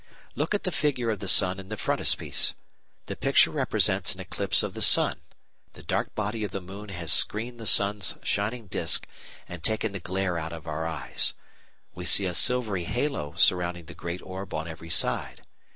Look at the figure of the sun in the frontispiece. The picture represents an eclipse of the sun; the dark body of the moon has screened the sun's shining disc and taken the glare out of our eyes; we see a silvery halo surrounding the great orb on every side.